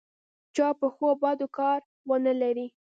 چا په ښو او بدو کار ونه لري.